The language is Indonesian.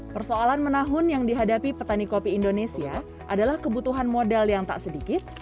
persoalan menahun yang dihadapi petani kopi indonesia adalah kebutuhan modal yang tak sedikit